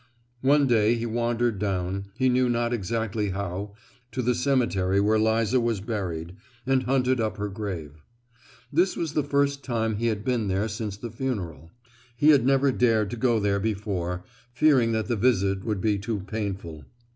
One day he wandered down—he knew not exactly how—to the cemetery where Liza was buried, and hunted up her grave. This was the first time he had been there since the funeral; he had never dared to go there before, fearing that the visit would be too painful.